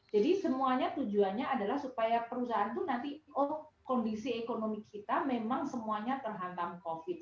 jadi semuanya tujuannya adalah supaya perusahaan itu nanti kondisi ekonomi kita memang semuanya terhantam covid